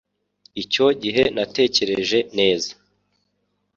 Icyo gihe natekereje neza.